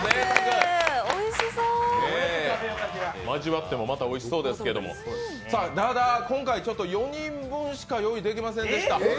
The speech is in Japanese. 交わってもおいしそうですけど、ただ今回、４人分しか用意できませんでした。